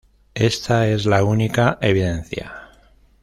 Esta es la única evidencia.